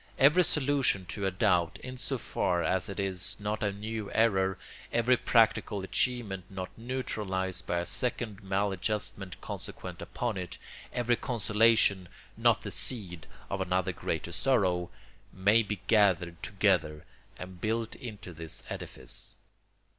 Every solution to a doubt, in so far as it is not a new error, every practical achievement not neutralised by a second maladjustment consequent upon it, every consolation not the seed of another greater sorrow, may be gathered together and built into this edifice.